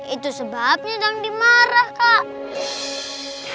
itu sebabnya nandi marah kak